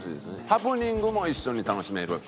「ハプニングも一緒に楽しめる」